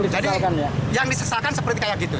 jadi yang disesalkan seperti kayak gitu